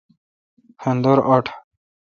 پھندور اٹ۔